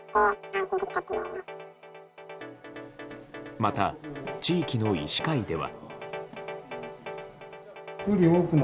また、地域の医師会では。